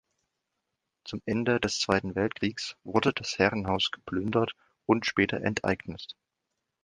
Zum Ende des Zweiten Weltkriegs wurde das Herrenhaus geplündert und später enteignet.